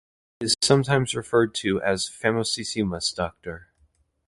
He is sometimes referred to as "famosissimus doctor".